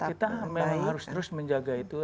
kita memang harus terus menjaga itu